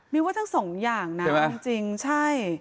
มีว่าทั้งสองอย่างนะจริงใช่